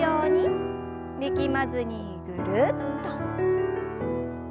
力まずにぐるっと。